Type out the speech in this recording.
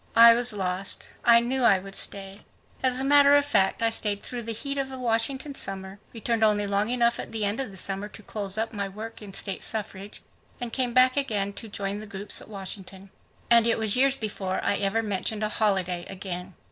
I was lost. I knew I would stay. As a matter of fact, I stayed through the heat of a Washington summer, returned only long enough at the end of the summer to close up my work in state suffrage and came back to join the group at Washington. And it was years before I ever mentioned a holiday again.